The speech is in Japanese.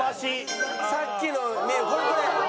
さっきのこれこれ。